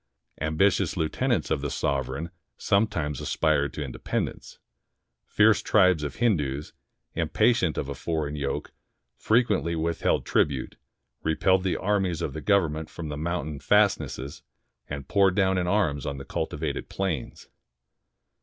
Ambitious lieu tenants of the sovereign sometimes aspired to independ ence. Fierce tribes of Hindoos, impatient of a foreign yoke, frequently withheld tribute, repelled the armies of the Government from the mountain fastnesses, and poured down in arms on the cultivated plains.